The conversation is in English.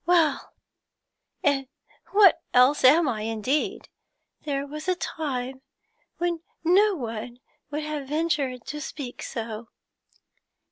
'Well, and what else am I, indeed? There was a time when no one would have ventured to speak so.'